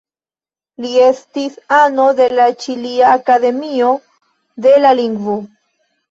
Li estis ano de la Ĉilia Akademio de la Lingvo.